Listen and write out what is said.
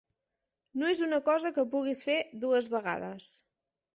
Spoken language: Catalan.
No és una cosa que puguis fer dues vegades.